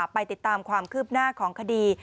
ไปติดตามความคืบหน้าของคดี